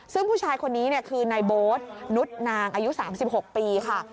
ซึ่งผู้ชายคนนี้คือนายโบ๊ทนุษย์นางอายุ๓๖ปีค่ะ